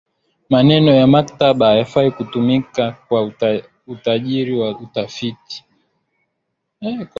maneno ya mkataba hayafai kutumika kwa ajiri ya utafiti